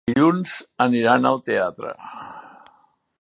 Dilluns aniran al teatre.